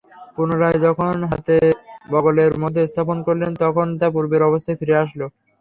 পুনরায় যখন হাত বগলের মধ্যে স্থাপন করলেন, তখন তা পূর্বের অবস্থায় ফিরে আসল।